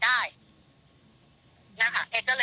แต่เขาไม่ไหวได้เท็จ